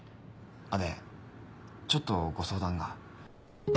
あっでちょっとご相談が。